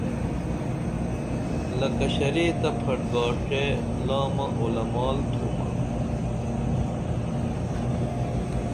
لکہ شرے تہ پھٹ گاݜٹے لامہ اولمال تھومہ